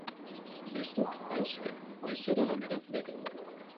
Ez duk aise goizero lanerat joatea...